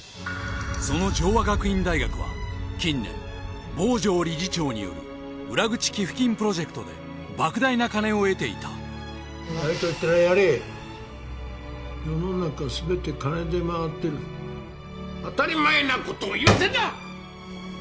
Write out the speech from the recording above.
その城和学院大学は近年坊城理事長による裏口寄付金プロジェクトで莫大な金を得ていたやれと言ったらやれ世の中全て金で回ってる当たり前なことを言わせるな！